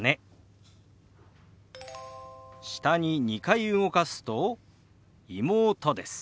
下に２回動かすと「妹」です。